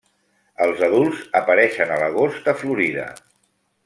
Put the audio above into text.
Els adults apareixen a l'agost a Florida.